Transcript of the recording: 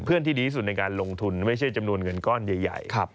ที่ดีที่สุดในการลงทุนไม่ใช่จำนวนเงินก้อนใหญ่